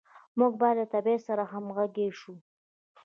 موږ باید له طبیعت سره همغږي شو.